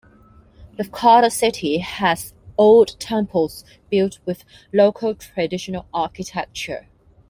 Lefkada City has old temples built with local traditional architecture.